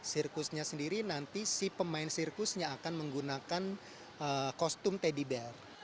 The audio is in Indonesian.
sirkusnya sendiri nanti si pemain sirkusnya akan menggunakan kostum teddy bel